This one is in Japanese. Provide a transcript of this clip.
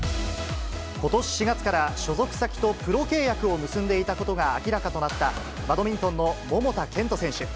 ことし４月から、所属先とプロ契約を結んでいたことが明らかとなった、バドミントンの桃田賢斗選手。